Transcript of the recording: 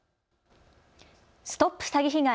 ＳＴＯＰ詐欺被害！